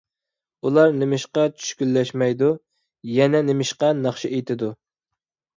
ئۇلار نېمىشقا چۈشكۈنلەشمەيدۇ؟ يەنە نېمىشقا ناخشا ئېيتىدۇ؟